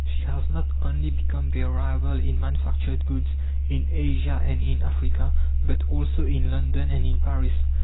She has not only become their rival in manufactured goods in Asia and in Africa, but also in London and in Paris.